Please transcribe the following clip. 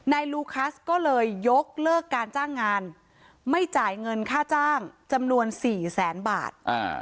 ลูคัสก็เลยยกเลิกการจ้างงานไม่จ่ายเงินค่าจ้างจำนวน๔แสนบาท